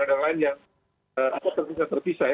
apa terpisah terpisah ya